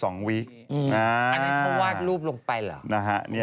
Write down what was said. อันนั้นเขาวาดรูปลงไปเหรอ